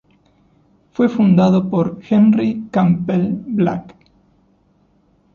Fue fundado por Henry Campbell Black.